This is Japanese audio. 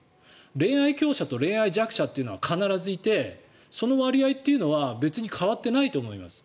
恋愛強者と恋愛弱者というのは必ずいてその割合というのは別に変わってないと思います。